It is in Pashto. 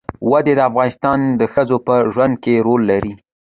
وادي د افغان ښځو په ژوند کې رول لري.